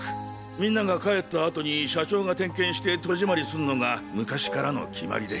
皆が帰った後に社長が点検して戸締りすんのが昔からの決まりで。